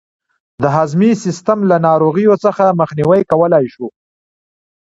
د هضمي سیستم له ناروغیو څخه مخنیوی کولای شو.